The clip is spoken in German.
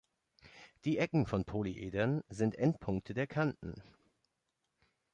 Die Ecken von Polyedern sind Endpunkte der Kanten.